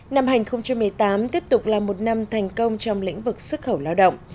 năm hai nghìn một mươi tám tiếp tục là một năm thành công trong lĩnh vực xuất khẩu lao động